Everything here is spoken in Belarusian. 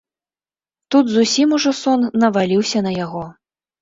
Тут зусім ужо сон наваліўся на яго.